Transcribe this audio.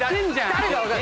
⁉誰が分かる⁉